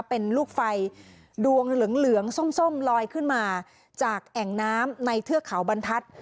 เป็นลูกไฟดวงเหลืองส้มลอยขึ้นมาจากแอ่งน้ำในเทือกเขาบรรทัศน์